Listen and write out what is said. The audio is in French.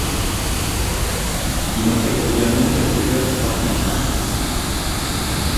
Il intègre également quelques chœurs en partie finale.